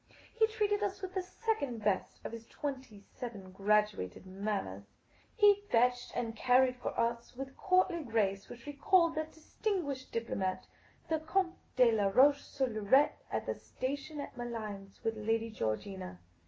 He treated us with the second best of his twenty seven graduated manners. He fetched and carried for us with a courtly grace which recalled that distinguished diplomat, the Comte de Laroche sur Loiret, at the station at Malines with Lady Georgina.